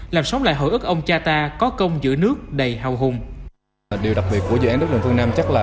làm sống lại hội ức ông cha ta có công giữa nước đầy hào hùng